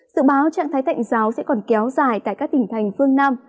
dự báo trạng thái tạnh giáo sẽ còn kéo dài tại các tỉnh thành phương nam